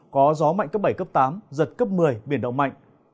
có gió mạnh cấp bảy cấp tám giật cấp một mươi biển động mạnh